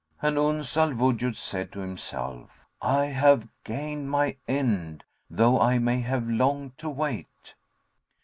And Uns al Wujud said to himself, "I have gained my end, though I may have long to wait."